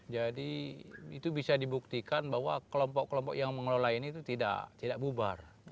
jadi itu bisa dibuktikan bahwa kelompok kelompok yang mengelola ini itu tidak bubar